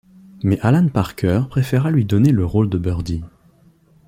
Mais Alan Parker préféra lui donner le rôle de Birdy.